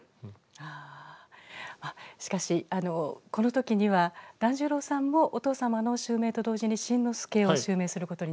しかしこの時には團十郎さんもお父様の襲名と同時に新之助を襲名することになっていた。